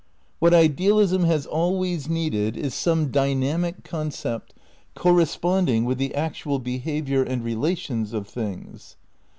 What idealism has always needed is some dynamic concept corresponding with the actual behaviour and relations of things.